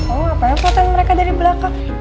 oh ngapain poten mereka dari belakang